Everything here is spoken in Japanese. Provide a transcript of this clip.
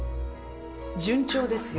順調ですよ。